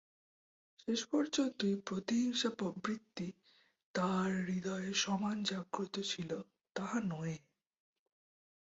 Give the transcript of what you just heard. শেষ পর্যন্তই প্রতিহিংসা-প্রবৃত্তি তাঁহার হৃদয়ে সমান জাগ্রত ছিল তাহা নহে।